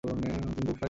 তুমি গোঁফ রাখবে!